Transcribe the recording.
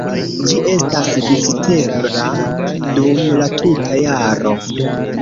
Ĝi estas vizitebla dum la tuta jaro.